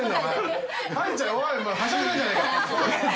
はしゃいでんじゃねえか！